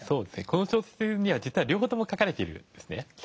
この小説には実は両方とも書かれているんですね。